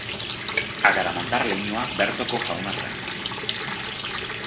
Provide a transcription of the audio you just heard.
Agaramontar leinua bertoko jauna zen.